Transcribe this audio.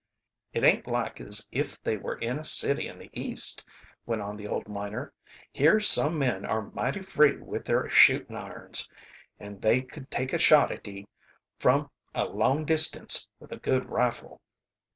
"It aint like as if they were in a city in the East," went on the old miner. "Here some men are mighty free with their shootin' irons. And they could take a shot at ye from a long distance, with a good rifle."